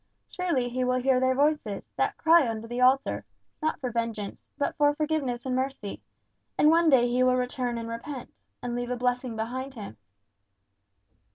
Surely he will hear their voices, that cry under the altar, not for vengeance, but for forgiveness and mercy; and one day he will return and repent, and leave a blessing behind him?"